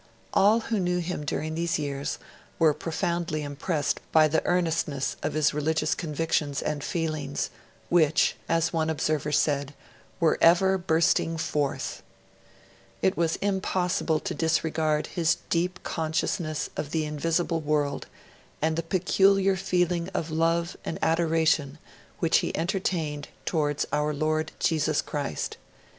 All who knew him during these years were profoundly impressed by the earnestness of his religious convictions and feelings, which, as one observer said, 'were ever bursting forth'. It was impossible to disregard his 'deep consciousness of the invisible world' and 'the peculiar feeling of love and adoration which he entertained towards our Lord Jesus Christ'.